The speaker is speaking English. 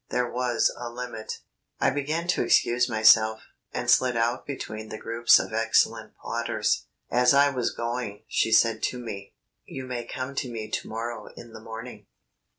There was a limit. I began to excuse myself, and slid out between the groups of excellent plotters. As I was going, she said to me: "You may come to me to morrow in the morning."